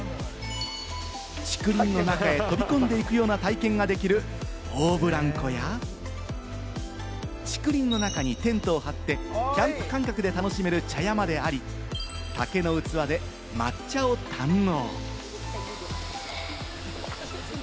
竹林の中へ飛び込んでいくような体験ができる大ブランコや、竹林の中にテントを張って、キャンプ感覚で楽しめる茶屋まであり、竹の器で抹茶を堪能。